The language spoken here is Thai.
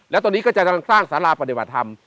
แล้วตอนนี้ก็จะกำลังสร้างสาราปฏิบัติธรรม